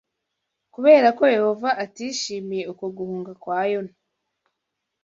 Kubera ko Yehova atishimiye uko guhunga kwa Yona